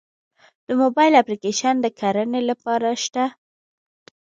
د موبایل اپلیکیشن د کرنې لپاره شته؟